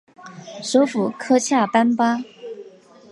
首府科恰班巴。